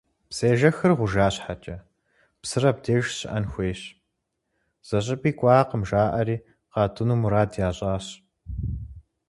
Псыежэхыр гъужа щхьэкӏэ, псыр абдеж щыӏэн хуейщ, зыщӏыпӏи кӏуакъым жаӏэри, къатӏыну мурад ящӏащ.